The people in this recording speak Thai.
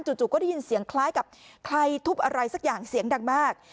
จู่ก็ได้ยินเสียงคล้ายกับใครทุบอะไรสักอย่างเสียงดังมาก